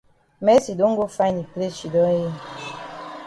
Mercy don go find yi place shidon yi.